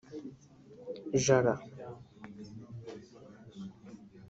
Jr